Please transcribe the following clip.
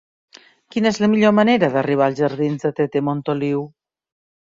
Quina és la millor manera d'arribar als jardins de Tete Montoliu?